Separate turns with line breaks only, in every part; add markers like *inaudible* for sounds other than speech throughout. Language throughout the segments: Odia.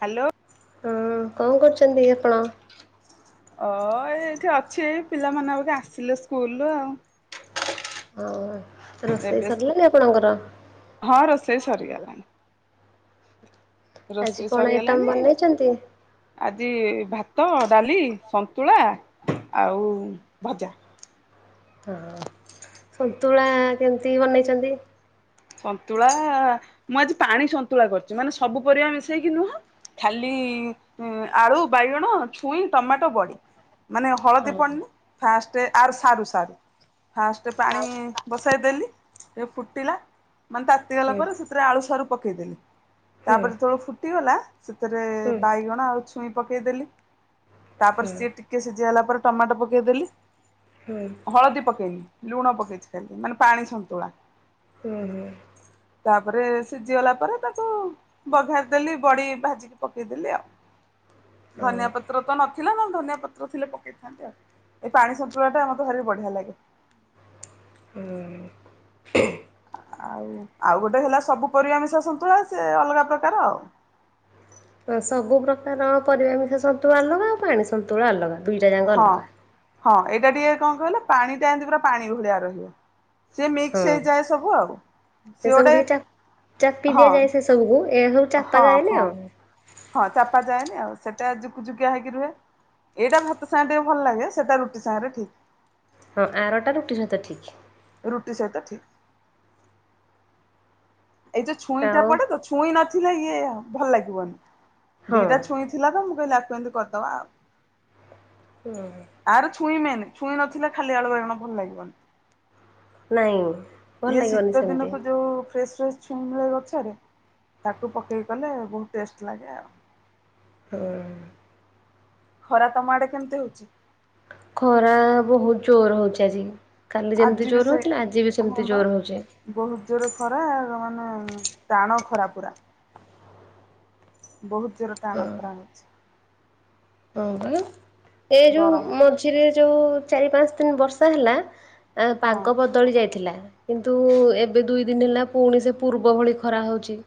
ହାଲୋ
ହଁ କଣ କରୁଚନ୍ତି ଆପଣ?
ଓ ଏଇଠି ଅଛି ପିଲାମାନେ ବୋଧେ ଆସିଲେ ସ୍କୁଲ୍ ରୁୁ ଆଉ
ହଉ ରୋଷେଇ
ଏବେ ସ୍କୁ
ସରିଲାଣିି ଆପଣଙ୍କର?
ହଁ ରୋଷେଇ ସରିଗଲାଣି।
ଆଜି
ରୋଷେଇ
କଣ ଆଇଟମ୍
ସରିଗଲାଣି
ବନେଇଛନ୍ତି?
ଆଜି ଭାତ ଡାଲି ସନ୍ତୁଳା ଆଉ ଭଜା।
ହଁ ସନ୍ତୁଳା କେମିତି ବନେଇଚନ୍ତି?
ସନ୍ତୁଳା ମୁଁ ଆଜି ପାଣି ସନ୍ତୁଳା କରିଚି ମାନେ ସବୁ ପରିବା ମିଶେଇକି ନୁହଁ ଖାଲି ଆଳୁ ବାଇଗଣ ଛୁଇଁ ଟମାଟୋ ବଡି। ମାନେ ହଳଦୀ
ହଉ
ପଡିନି ଫାଷ୍ଟ ଆର୍ ସାରୁ ସାରୁ ଫାଷ୍ଟ୍ ପାଣି ବସାଇଦେଲି ଏ ଫୁଟିଲା ମାନେ ତାତିଗଲା
ହୁଁ
ପରେ ସେଥିରେ ଆଳୁ ସାରୁ ପକେଇଦେଲି
ହୁଁ
ତାପରେ ଯେତେବଳୁ ଫୁଟିଗଲା ସେଥେରେ
ହୁଁ
ବାଇଗଣ ଆଉ ଛୁଇଁ ପକେଇଦେଲି ତାପରେ
ହୁଁ
ସିଏ ଟିକେ ସିଝିଗଲା ପରେ ଟମାଟୋ ପକେଇଦେଲି
ହୁଁ
ହଳଦୀ ପକେଇନି ଲୁଣ ପକେଇଛି ଖାଲି ମାନେ ପାଣି ସନ୍ତୁଳା।
ହୁଁ-ହୁଁ।
ତାପରେ ସିଝିଗଲା ପରେ ତାକୁ ବଘାରି ଦେଲି ବଡି ଭାଜିକି ପକେଇ ଦେଲି ଆଉ
ହୁଁ
ଧନିଆ ପତ୍ ତ୍ର ତ ନଥିଲା ନହେଲେ ଧନିଆ ପତ୍ର ଥିଲେ ପକେଇଥାନ୍ତି ଆଉ, ଏଇ ପାଣି ସନ୍ତୁଳା ଟା ମତେ ଭାରି ବଢିଆ ଲାଗେ।
ହୁଁ।
ଆଉ-ଆଉ ଗୋଟେ ହେଲା ସବୁ ପରିବା ମିଶା ସନ୍ତୁଳା ସେ ଅଲଗା ପ୍ରକାର ଆଉ।
ତ ସବୁ ପ୍ରକାର ପରିବା ମିଶା ସନ୍ତୁଳା ଅଲଗା ଆଉ ପାଣି ସନ୍ତୁଳା ଅଲଗା ଦୁଇଟା ଯାଙ୍କ
ହଁ
ଅଲଗା।
ହଁ ଏଇଟା ଟିକେ କଣ କହିଲ ପାଣିଟା ଏନ୍ତି ପୁରା ପାଣି ଭଳିଆ ରହିବ ସିଏ ମିକ୍ସ
ହଁ
ହେଇଯାଏ ସବୁ ଆଉ।
ସେ
ସିଏ
ସବୁକୁ
ଗୋଟେ
ଟିକେ ଚାପି ଦିଆଯାଏ ସେ ସବୁକୁ ଏ ହଉ
ହଁ-ହଁ-ହଁ ଚାପା ଯାଏନି ଆଉ ସେଟା ଜୁକୁଝୁକିଆ ହେଇକି ରୁହେ। ଏଇଟା ଭାତ ସାଙ୍ଗେରେ ଟିକେ ଭଲ୍ ଲାଗେ, ସେଇଟା ରୁଟି ସାଙ୍ଗରେ ଠିକ୍।
ହଁ ଆରଟା ରୁଟି ସହିତ ଠିକ୍।
ରୁଟି ସହିତ ଠିକ୍। ଏଇ ଯୋଉ ଛୁଇଁଟା
ଆଉ
ପଡେ ତ ଛୁଇଁ ନଥିଲେ ଇଏ ଭଲ ଲାଗିବନି, ଦିଟା
ହଁ।
ଛୁଇଁ ଥିଲା ତ ମୁଁ କହିଲ ୟାକୁ ଏମ୍ତି କରିଦବା ଆଉ।
ହୁଁ।
ଆର ଛୁଇଁ ମେନେ, ଛୁଇଁ ନଥିଲେ ଖାଲି ଆଳୁ ବାଇଗଣ ଭଲ ଲାଗିବନି।
ନାଇଁ। ଭଲ
ଇଏ
ଲାଗିବନି
ଶୀତ
ସେମିତି
ଦିନକୁ ଯୋଉ ଫ୍ରେଶ୍-ଫ୍ରଶ୍ ଛୁଇଁ *unintelligible* ଗଛରେ ତାକୁ ପକେଇ କଲେ ବହୁତ୍ ଟେଷ୍ଟ ଲାଗେ ଆଉ।
ହଁ।
ଖରା ତମ ଆଡେ କେମ୍ତି ହଉଛି?
ଖରା ବହୁତ୍ ଜୋର୍ ହଉଚି ଆଜି, କାଲି
ଆଜି
ଯେମ୍ତି ଜୋର୍ ହଉଥିଲା ଆଜି ବି ସେମ୍ତି ଜୋର୍ ହଉଚି।
ବହୁତ୍ ଜୋରେ ଖରା ମାନେ ଟାଣ ଖରା ପୁରା। ବହୁତ୍ ଜୋର
ହଁ
ଟାଣ ଖରା ହଉଛି।
ଏ ଯୋଉ
ଗରମ ଜୋର।
ମଝିରେ ଯୋଉ ଚାରି ପାଞ୍ଚ ଦିନ୍ ବର୍ଷା ହେଲା ଆ
ହଁ
ପାଗ ବଦଳି ଯାଇଥିଲା। କିନ୍ତୁ ଏବେ ଦୁଇ ଦିନ ହେଲା ପୁଣି ସେ ପୂର୍ବ ଭଳି ଖରା ହେଉଚି।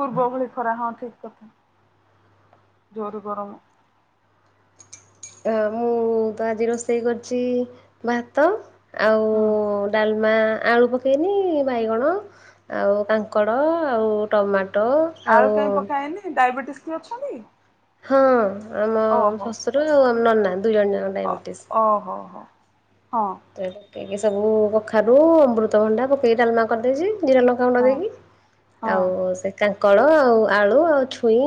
ପୂର୍ବ ଭଳି ଖରା ହଁ ଠିକ୍ କଥା, ଜୋରେ ଗରମ
ଅ ମୁଁ ତ ଆଜି ରୋଷେଇ କରିଚି ଭାତ ଆଉ
ହୁଁ।
ଡାଲମା ଆଳୁ ପ କେଇନି ବାଇଗଣ ଆଉ କାଙ୍କଡ଼ ଆଉ ଟମାଟୋ
ଆଳୁ କାଇଁ
ଆଉ
ପକା ହେଇନି ଡାଇବେଟିସ୍ କିଏ ଅଛନ୍ତି କି?
ହଁ ଆମ ଶଶୁର ଆଉ ଆମ ନନା ଦୁଇ ଜଣ ଯାକ
ଅ
ଡାଇବେଟିସ୍।
ଓହୋ ହୋ। ହଁ।
*unintelligible* ପକେଇକି ସବୁ କଖାରୁ ଅମୃତଭଣ୍ଡା ପକେଇକି ଡାଲ୍ମା କରିଦେଇଚି ଜିରା ଲ ଙ୍କା ଗୁଣ୍ଡ
ହଁ
ଦେଇକି
ହଁ
ଆଉ ସେ କାଙ୍କଡ଼ ଆଉ ଆଳୁ ଆଉ ଛୁଇଁ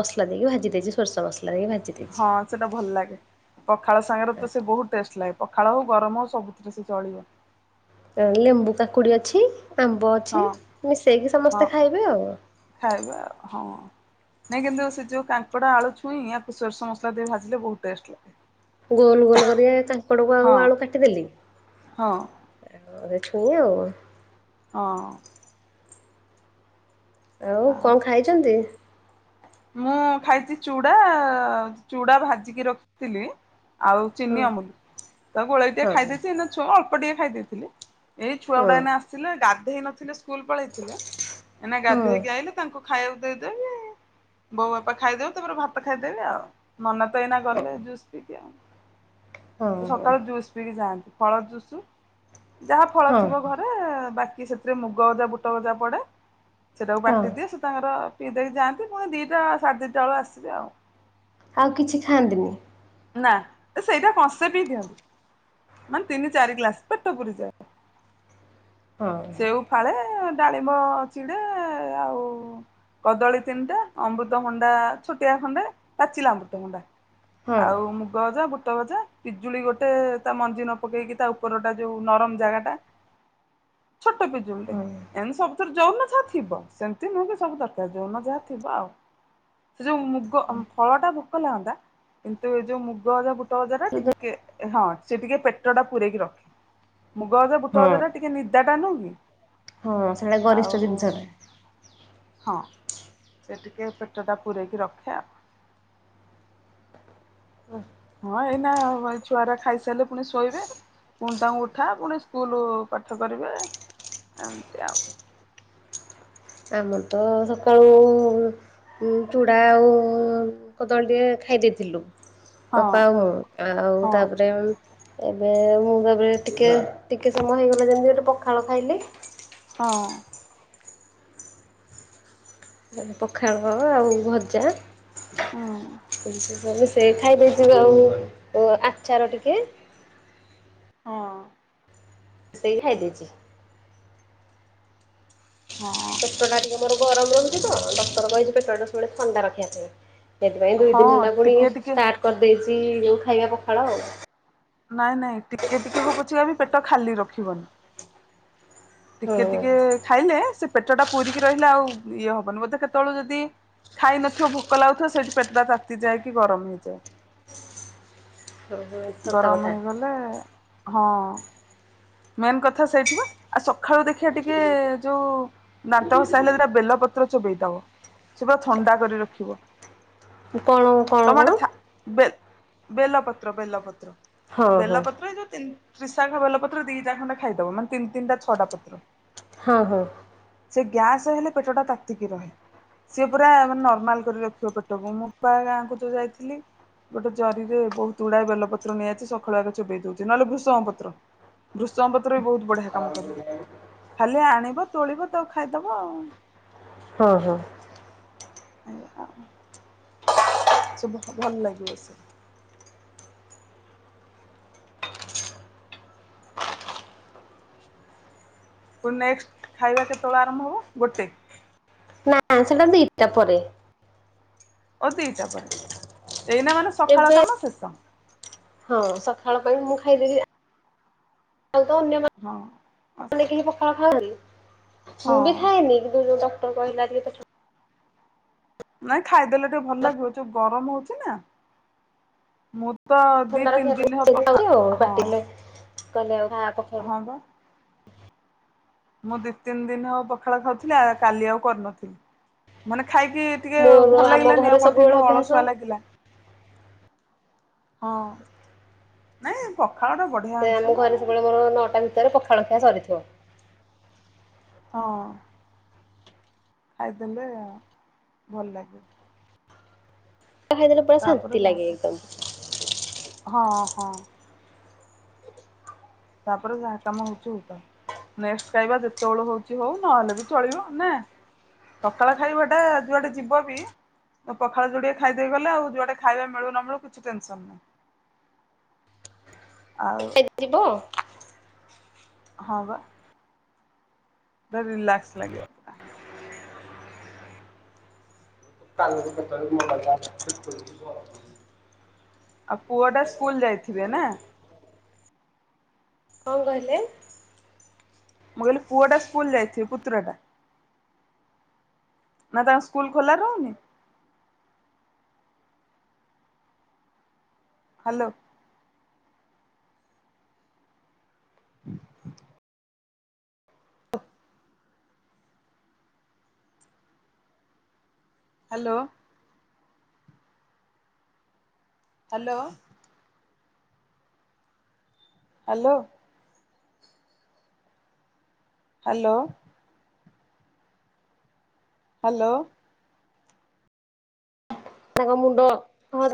ମସଲା ଦେଇକି ଭାଜି ଦେଇଚି ସୋରିଷ ମସଲା ଦେଇକି ଭାଜି ଦେଇଛି।
ହଁ। ସେଟା ଭଲ୍ ଲାଗେ ପଖାଳ ସାଙ୍ଗେରେ ତ ସେ ବହୁତ୍ ଟେଷ୍ଟ ଲାଗେ, ପଖାଳ ହଉ ଗରମ୍ ହଉ ସବୁଥିରେ ସେ ଚଳିବ।
ଲେମ୍ବୁ କାକୁଡ଼ି ଅଛି ଆମ୍ବ ଅଛି
ହଁ
ମିଶେଇକି ସମସ୍ତେ ଖାଇବେ ଆଉ।
ଖାଇବେ ଆଉ ହଁ। ନାଇଁ କିନ୍ତୁ ସେ ଯୋଉ କାଙ୍କଡ ଆଳୁ ଛୁଇଁ ୟାକୁ ସୋରିଷ ମସଲା ଦେଇ ଭାଜିଲେ ବହୁତ୍ ଟେଷ୍ଟ ଲାଗେ।
ଗୋଲ ଗୋଲ କରି କାଙ୍କଡ଼କୁ ଆଉ
ହଁ
ଆଳୁ କାଟିଦେଲି।
ହଁ।
ଆ ଛୁଇଁ ଆଉ *unintelligible*
ହଁ।
ଆଉ କଣ ଖାଇଛନ୍ତି?
ମୁଁ ଖାଇଛି ଚୁଡା ଚୁଡା ଭାଜିକି ରଖିଥିଲି। ଆଉ
ହଁ
ଚିନି ଅମୁଲି ତ ଗୋଳେଇ ଟିକେ
ହଁ
ଖାଇ ଦେଇଥିଲି ନା ଛୁ ଅଳ୍ପ ଟିକେ ଖାଇ ଦେଇେଥିଲି। ଏଇ ଛୁଆ
ହଁ
ଗୁଡା ଏନ ଆସିଲେ ଗାଧେଇ ନଥିଲେ ସ୍କୁଲ ପଳେଇଥିଲେ ଏନ
ହଁ
ଗାଧେଇକି ଆଇଲି। ତାଙ୍କୁ ଖାଇବାକୁ ଦେଇଦେବି। ବୋଉ ବାପା ଖାଇଦେବ ତାପରେ ଭାତ ଖାଇଦେବେି ଆଉ ମନ ତ ଏଇନା ଗଲେ ଜୁସ୍ ପିଇି
ହଁ
ସେ
ହଁ
ସକାଳୁ ଯୁୟୁସୁ ପିଇି ଯାଆନ୍ତି ଫଳ ଜୁସୁ ଯାହା ଫଳ ଥିବ ଘ
ହଁ।
ବାକି ସେଥିରେ ମୁଗ ଗଜା ବୁଟ ଗଜା ପଡେ ସେଟାକୁ
ହଁ।
ପାଟିଦିଏଥି ତାଙ୍କର ପିଦେଇ ଯାନ୍ତି ପୁଣି ଦିଟା ସାଢ଼େ ଦିଟା ବେଳ କୁ ଆସେ ଆଉ
ଆଉ କିଛି ଖାଆନ୍ତିନି।
ନା ସେଇଟା କସେ ପିଇ ଦିଅନ୍ତିୁ ମାନେ ତିନି ଚାରି ଗ୍ଲାସ ପେଟ ପୁରି ଯାଏ।
ହଁ।
ସେଉ ଫାଳେ ଡାଳିମ୍ ଟିକେ ଆଉ କଦଳୀ ତିନିଟା ଅମୃତଭଣ୍ଡା ଛୋଟିଆ ଖଣ୍ଡେ ପାଚିଲା ଅମୃତଭଣ୍ଡା
ହଁ
ଆଉ ମୁଗ ଭଜା ବୁଟ ଭଜା ପିଜୁଳି ଗୋଟେ ତା ମଞ୍ଜି ନ ପକେଇକି ତା ଉପରଟା ଯୋଉ ନରମ ଜାଗା ଟା ଛୋଟ ପିଜୁଳି ଟେ
ହଁ
ଏନ୍ ସବ ଯୌନ ଯାହା ଥିବ ସେମିତି ନୁହେଁ କି ସବୁ ଦରକାର ଯୌନ ଯାହା ଥିବ ଆଉ ସେ ଯୋଉ ମୁଗ ଫଳ ଟା ଭୋକ ଲାଗନ୍ତା କିନ୍ତୁ ଏ ଯୋଉ ମୁଗ ଅଜା ବୁଟ ଗଜାର
ସୁଦୁ
ଟିକେ ହଁ ସେ ଟିକେ ପେଟ ଟା ପୁରରେକି ରଖେ ମୁଗ ହଜାର ବୁଟ
ହଁ
ହଜାର ଟା ଟିକେ ନି ତା ଟା ନୁନି
ହଁ ସେଇଟା
ଆଉ
ଗରିଷ୍ଠ ଜିନିଷଟା
*unintelligible* ହଁ ସେ ଟିକେ ପେଟ ଟା ପୂରୋଇକି ରଖେ ଆ
ହ *unintelligible*
ହଁ ଏଇନା ଛୁଆ ଟା ଖାଇସାରିଲେ ପୁଣି ଶୋଇବେ। ପୁଣି ତାଙ୍କୁ ଉଠା ପୁଣି ସ୍କୁଲ ପାଠ କରିବେ ଏମତି ଆଉ
ଆମର ତ ସକାଳୁ ଚୁଡ଼ା ଆଉ କଦଳୀଟିଏ ଖାଇ ଦେଇଥିଲୁ। ହ
ହଁ
ବାପା ଆଉ
ହଁ
ତାପରେ ଏବେ ମୁଁ ତାପରେ ଟିକଏ ଟିକଏ ସମୟ ହେଇଗଲା ଯେମିତି ଗୋଟେ ପଖାଳ ଖାଇଲି।
ହଁ।
ପଖାଳ ଆଉ ଭଜା
ହୁଁ
ଏମତି ସେ ଖାଇଦେଇଥିବ ଆଉ ଆଚାର ଟିକେ।
ହଁ।
ସେଇ ଖାଇ ଦେଇଛି।
ହଁ।
ପେଟ ଟା ଟିକେ ମୋର ଗରମ ରହୁଛି ତ ଡକ୍ଟର କହିଛି ପେଟା ସବୁବେଳେ ଥଣ୍ଡା ରଖିବା ପାଇଁ ସେଥିପାଇଁ ଦୁଇ
ହଁ
ଦିନ ହେଲା ପୁଣି
ଟିକେ ଟିକେ
ଷ୍ଟାର୍ଟ କରିଦେଇଛି ଯୋଉ ଖାଇବା ପଖାଳ ଆଉ
ନାଇଁ ନାଇଁ ଟିକେ ଟିକେ ହବୁଛି ଆ ବି ପେଟ ଖାଲି ରଖିବନି। ଟିକେ
ହୁଁ
ଟିକେ ଖାଇଲେ ସେ ପେଟ ଟା ପୁରରିକି ରହିଲେ ଆଉ ଇଏ ହବନି ବୋଧେ କେତେବେଳ ଯଦି ଖାଇନଥିବ ଭୋକ ଲାଗୁଥିବ ସେଇଠି ପେଟ ଟା ତାତିଯାଏ କି ଗରମ ହେଇଯାଏ।
ଓହୋ ସତ କଥା
ଗରମ ହେଇଗଲେ। ହଁ। ମେନ୍ କଥା ସେଇଠି ବା। ଆ ସକାଳୁ ଦେଖିବା ଟିକେ ଯୋଉ ଦାନ୍ତ ଘସା ହେଲେ ଦିଇଟା ବେଲ ପତ୍ର ଚୋବେଇ ଦବ। ସେ ପୁରା ଥଣ୍ଡା କରି ରଖିବ।
କଣ କଣ କଣ?
ତମରଟା ଥା, ବେଲ ପତ୍ର ବେଲ ପତ୍ର।
ହଁ ହଁ
ବେଲପତ୍ର ଏଇ ଯୋଉ ତିନ ତ୍ରିଶାଖା ବେଲପତ୍ର ରୁ ଦିଇଟା ଖଣ୍ଡେ ଖାଇଦବ ମାନେ ତିନ ତିନିଟା ଛଅଟା ପତ୍ର।
ହଁ ହଁ।
ସେ ଗ୍ୟାସ୍ ହେଲେ ପେଟଟା ତାତିକି ରହେ। ସିଏ ପୁରା ନର୍ମାଲ କରି ରଖିବ ପେଟକୁ। ମୁଁ ପ୍ରାୟ ଗାଁକୁ ଯୋଉ ଯାଇଥିଲି ଗୋଟେ ଜରିରେ ବହୁତ ଗୁଡାଏ ବେଲପତ୍ର ନେଇଆଇଛି। ସକାଳୁ ଆଗ ଚୋବେଇ ଦଉଛି ନହେଲେ ଭୃସଙ୍ଗ ପତ୍ର। ଭୃସଙ୍ଗ ପତ୍ର ବି ବହୁତ ବଢିଆ କାମ କରିବ। ଖାଲି ଆଣିବ ତୋଳିବ ତାକୁ ଖାଇଦବ ଆଉ।
ହଁ ହଁ।
ଏଇଆ ଆଉ। ସବୁ ଭଲ ଲାଗିବ ସେ। ତୋ ନେକ୍ସଟ୍ ଖାଇବା କେତେବେଳେ ଆରମ୍ଭ ହବ ଗୋଟେ।
ହଁ ସେଟା ଦି ଟା ପରେ।
ଓ ଦିଟା ପରେ। ଏଇନା ମାନେ ସକାଳ
ଏବେ
କାମ ଶେଷ।
ହଁ ସକାଳ ପାଇଁ ମୁଁ ଖାଇଦେବି। ଧନ୍ୟବା
ହଁ ଆସ୍।
ମୁଁ ପଖାଳ ଖାଉନି।
ନାଇଁ ଖାଇଦେଲେ ଟିକେ ଭଲ ଲାଗିବ। ଯୋଉ ଗରମ ହଉଚି ନା ମୁଁ ତ ଦି ତିନି
ଥଣ୍ଡାରେ
ଦିନ ହବ ଖା
ପଖାଳ
ହଁ
*unintelligible* କହିଲେ *unintelligible*
ହଁ ବା। ମୁଁ ଦି ତିନି ଦିନ ହଉ ପଖାଳ ଖାଉଥିଲି। କାଲି ଆଉ କରିନଥିଲି ମାନେ ଖାଇକି ଟିକେ
ମୋର
ଭଲ
ଆମ
ଲାଗିଲାନି
ଘରେ
ଆଉ
ସବୁବେଳେ
କଣ୍ଟିନ୍ୟୁ ଅଳସୁଆ
ଅଭ୍ୟାସ
ଲାଗିଲା। ହଁ ନାଇଁ ପଖାଳ ତ ବ
ସେ ଆମ ଘରେ ସବୁବେଳେ ମୋର ନଅଟା ଭିତରେ ପଖାଳଖିଆ ସରିଥିବ।
ହଁ। ଖାଇଦେଲେ ଭଲ ଲାଗିବ।
ପଖାଳ ଖାଇଦେଲେ ପୁରା
ତାପରେ
ଶାନ୍ତି
ଯାହା
ଲାଗେ
କରୁଛ
ଏକଦମ୍।
କର ହଁ ହଁ। ତା ପରେ ଯାହି କାମ ହଉଛି ହଉଥାଉ। ନେକ୍ସଟ ଖାଇବା ଯେତେବେଳ ହଉଛି ହଉ, ନ ହେଲେ ବି ଚଳିବ ନା। ସକାଳ ଖାଇବାଟା ଯୁଆଟେ ଯିବ ବି ପଖାଳ ଯୋଡିଏ ଖାଇଦେଇ ଗଲେ ଆଉ ଯୁଆଡେ ଖାଇବା ମିଳୁ ନ ମିଳୁ କିଛି ଟେନସନ୍ ନାହିଁ। ଆଉ।
ଏବେ ଯିବ।
ହଁ ବା। ପୁରା ରିଲାକ୍ସ ଲାଗିବ। ପୁରା
*inaudible*
ଆଉ ପୁଅଟା ସ୍କୁଲ ଯାଇଥିବେ ନା।
କଣ କହିଲେ?
ମୁଁ କହିଲି ପୁଅଟା ସ୍କୁଲ ଯାଇଥିବ, ପୁତୁରାଟା। ନା ତମ ସ୍କୁଲ ଖୋଲା ରହୁନି। Hello *inaudible* hello hello. Hello. Hello. Hello.
ତାଙ୍କ ମୁଣ୍ଡ ହଁ